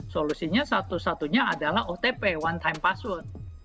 solusinya satu satunya adalah otp one time password